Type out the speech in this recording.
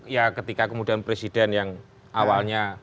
ya ketika kemudian presiden yang awalnya